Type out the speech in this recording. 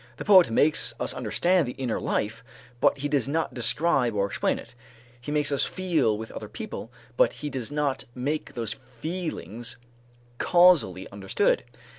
The poet makes us understand the inner life, but he does not describe or explain it; he makes us feel with other people, but he does not make those feelings causally understood.